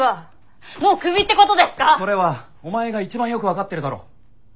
それはお前が一番よく分かってるだろ。